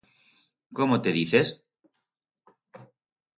Cómo te dices?